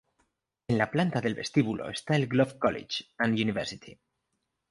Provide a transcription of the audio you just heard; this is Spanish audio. En la planta del vestíbulo está el Globe College and University.